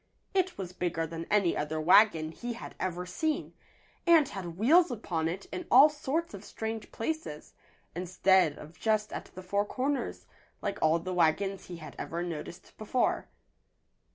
It was bigger than any other wagon he had ever seen, and had wheels upon it in all sorts of strange places, instead of just at the four corners, like all the wagons he had ever noticed before.